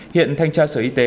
hiện thanh tra sở y tế